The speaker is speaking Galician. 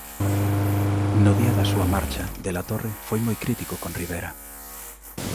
No día da súa marcha, De la Torre foi moi crítico con Rivera.